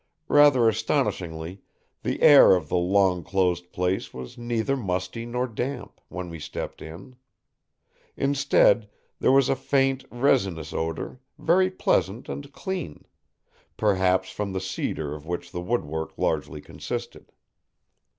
Rather astonishingly, the air of the long closed place was neither musty nor damp, when we stepped in. Instead, there was a faint, resinous odor, very pleasant and clean; perhaps from the cedar of which the woodwork largely consisted.